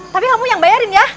tapi kamu yang bayarin ya